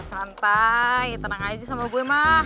santai tenang aja sama gue mah